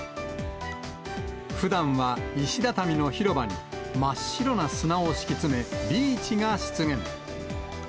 ふだんは石畳の広場に、真っ白な砂を敷き詰め、ビーチが出現。